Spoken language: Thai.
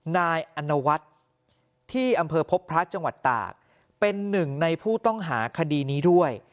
นายอนวัฒน์ที่อำเภอพบพระจังหวัดตากเป็นหนึ่งในผู้ต้องหาคดีนี้ด้วย